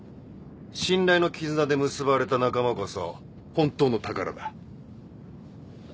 信頼の絆で結ばれた仲間こそ本当の宝だ。